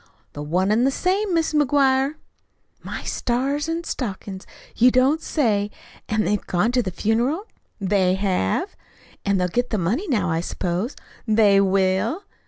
"The one and the same, Mis' McGuire." "My stars an' stockin's, you don't say! An' they've gone to the funeral?" "They have." "An' they'll get the money now, I s'pose." "They will."